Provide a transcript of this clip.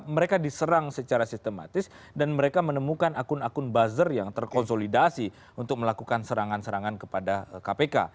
mereka diserang secara sistematis dan mereka menemukan akun akun buzzer yang terkonsolidasi untuk melakukan serangan serangan kepada kpk